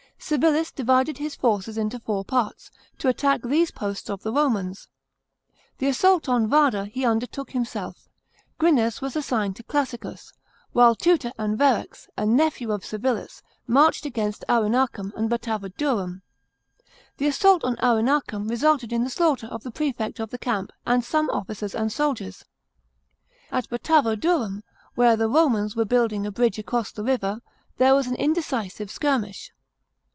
Civilis divided his forces into four parts, to attack these posts of the Romans. The assault on Vada he undertook himself, Grinnes was assigned to Classicus ; while Tutor and Verax, a nephew of Civilis, marched against Arenacum and Batavodurum. The assault on Arenacum resulted in the slaughter of the prefect of the camp and some officers and soldiers. At Batavodurum, where the Romans were building a bridge across the river, there was an indecisive skirmish.